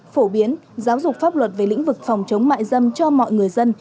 phổ biến giáo dục pháp luật về lĩnh vực phòng chống mại dâm cho mọi người dân